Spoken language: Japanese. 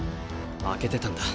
空けてたんだ。